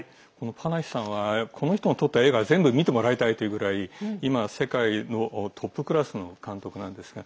パナヒさんはこの人が撮った映画は全部見てもらいたいというぐらい今、世界のトップクラスの監督なんですね。